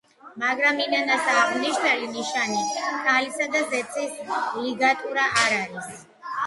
მაგრამ ინანას აღმნიშვნელი ნიშანი ქალისა და ზეცის ლიგატურა არ არის.